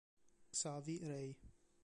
Xavi Rey